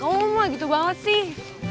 abah kamu mah gitu banget sih